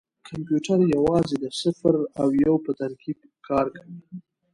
کمپیوټر یوازې د صفر او یو په ترکیب کار کوي.